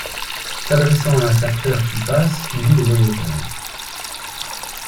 S’adressant à un facteur qui passe suivi de voyageurs.